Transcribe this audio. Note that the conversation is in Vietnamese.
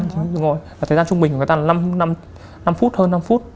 đúng rồi và thời gian trung bình của người ta là năm phút hơn năm phút